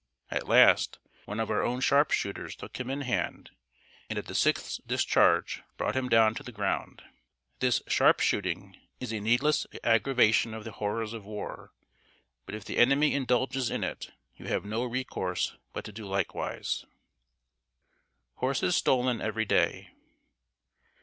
At last, one of our own sharp shooters took him in hand, and, at the sixth discharge, brought him down to the ground. This sharp shooting is a needless aggravation of the horrors of war; but if the enemy indulges in it, you have no recourse but to do likewise. [Sidenote: HORSES STOLEN EVERY DAY.